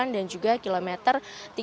dan juga kilometer tiga ratus enam puluh